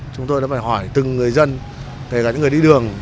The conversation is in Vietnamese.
chúng tôi đã phải hỏi từng người dân kể cả những người đi đường